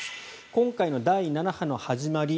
今回の第７波の始まり